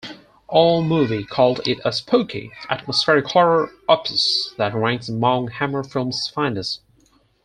AllMovie called it a spooky, atmospheric horror opus that ranks among Hammer Films' finest.